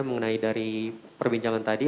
mengenai dari perbincangan tadi